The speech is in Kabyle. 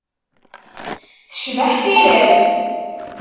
Tecbeḥ tira-s.